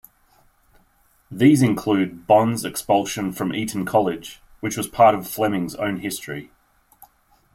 These included Bond's expulsion from Eton College, which was part of Fleming's own history.